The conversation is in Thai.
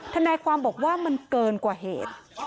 ทนายความบอกว่ามันเกินกว่าเหตุ